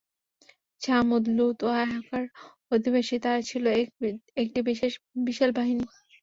ছামূদ, লূত ও আয়কার অধিবাসী, তারা ছিল এক একটি বিশাল বাহিনী।